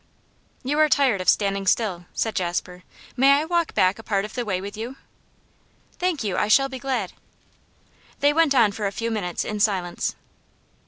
'You are tired of standing still,' said Jasper. 'May I walk back a part of the way with you?' 'Thank you; I shall be glad.' They went on for a few minutes in silence.